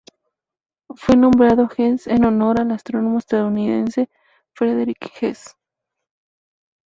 Fue nombrado Hess en honor al astrónomo estadounidense Frederick Hess.